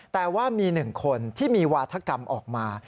แต่ว่ามี๑คนที่มีวาธกรรมออกมา